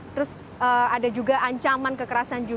terus ada juga ancaman kekerasan